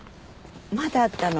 まだあったの？